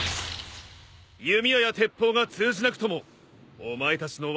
弓矢や鉄砲が通じなくともお前たちの技なら通じる！